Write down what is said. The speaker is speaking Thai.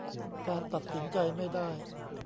การตัดสินใจไม่ได้